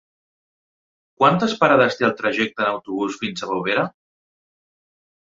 Quantes parades té el trajecte en autobús fins a Bovera?